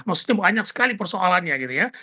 maksudnya banyak sekali persoalannya gitu ya